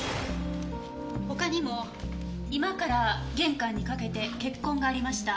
他にも居間から玄関にかけて血痕がありました。